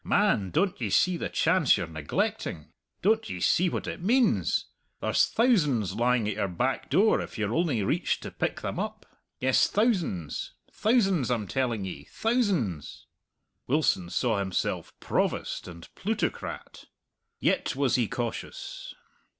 Man, don't ye see the chance you're neglecting? Don't ye see what it means? There's thousands lying at your back door if ye'll only reach to pick them up. Yes, thousands. Thousands, I'm telling ye thousands!" Wilson saw himself provost and plutocrat. Yet was he cautious.